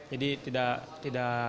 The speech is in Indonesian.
jadi tidak sulit lah